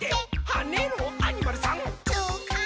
はねろアニマルさん！」